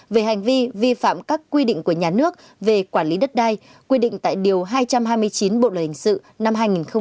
về hành vi vi phạm các quy định của nhà nước về quản lý đất đai quy định tại điều hai trăm hai mươi chín bộ luật hình sự năm hai nghìn một mươi năm